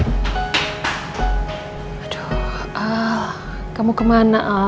aduh al kamu kemana al